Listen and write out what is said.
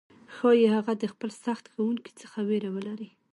ښايي هغه د خپل سخت ښوونکي څخه ویره ولري،